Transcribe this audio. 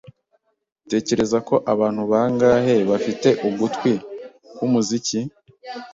Utekereza ko abantu bangahe bafite ugutwi kwumuziki?